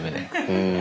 うん。